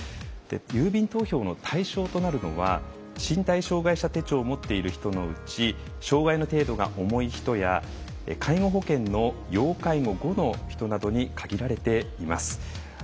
郵便投票の対象となるのは身体障害者手帳を持っている人のうち障害の程度が重い人や介護保険の要介護５の人などに限られています。